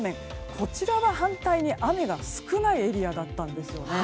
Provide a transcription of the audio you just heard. こちらは反対に雨が少ないエリアだったんですよね。